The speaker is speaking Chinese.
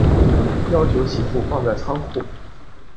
要求媳妇放在仓库